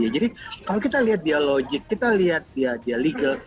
jadi kalau kita lihat dia logik kita lihat dia legal